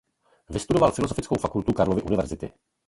Vystudoval Filozofickou fakultu Karlovy univerzity.